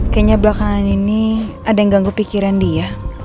kayaknya belakangan ini ada yang ganggu pikiran dia